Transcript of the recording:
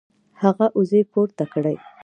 هغه اوږې پورته کړې